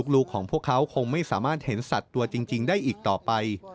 ลูกของพวกเขาคงไม่สามารถเห็นสัตว์ตัวจริงได้อีกต่อไป